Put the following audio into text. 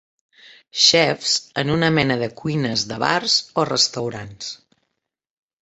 Xefs en una mena de cuines de bars o restaurants.